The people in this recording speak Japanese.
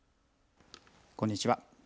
こんにちは。